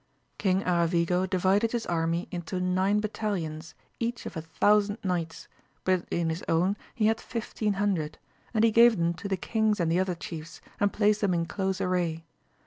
King Aravigo divided his army into nine battalions, each of a thou sand knights, but in his own he had fifteen hundred ; and he gave them to the kings and the other chiefs, and placed them in close array.